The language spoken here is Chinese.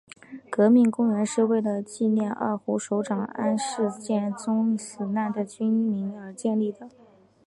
革命公园是为了纪念二虎守长安事件中死难的军民而建立的。